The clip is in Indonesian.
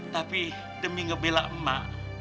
tapi demi ngebela emak